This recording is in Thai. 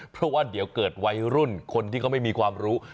เพราะว่าเดี๋ยวเกิดวัยรุ่นคนที่เขาไม่มีความรู้